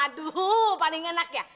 aduh paling enak ya